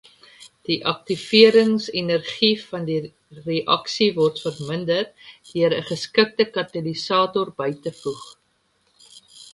Die aktiveringsenergie van die reaksie word verminder deur 'n geskikte katalisator by te voeg.